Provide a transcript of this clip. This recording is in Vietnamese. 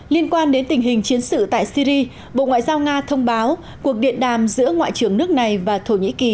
liên quan đến tình hình chiến sự tại syri bộ ngoại giao nga thông báo cuộc điện đàm giữa ngoại trưởng nước này và thổ nhĩ kỳ